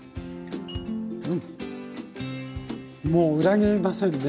うんもう裏切りませんね。